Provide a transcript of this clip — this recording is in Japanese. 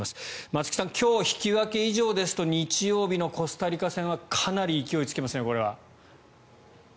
松木さん今日引き分け以上ですと日曜日のコスタリカ戦はかなり勢いがつきますね。